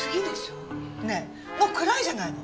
ねえもう暗いじゃないの。